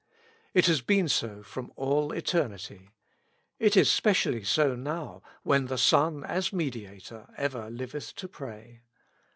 It has been so from all eternity. It is so specially now, when the Son as Mediator ever liveth to pray.